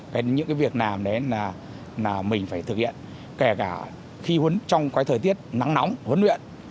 cái những cái việc làm đấy là mình phải thực hiện kể cả khi huấn trong cái thời tiết nắng nóng huấn luyện